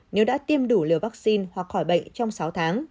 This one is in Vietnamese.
nếu đã tiêm đủ liều vaccine hoặc khỏi bệnh trong sáu tháng